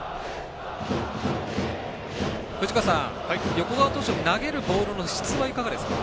横川投手の投げるボールの質はいかがですか？